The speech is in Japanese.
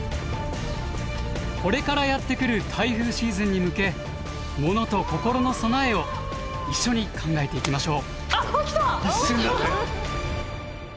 これからやって来る台風シーズンに向けモノとココロの備えを一緒に考えていきましょう。